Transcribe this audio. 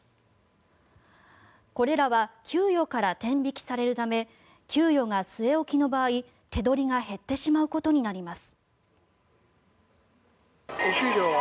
これらは給与から天引きされるため給与が据え置きの場合手取りが減ってしまうことになります。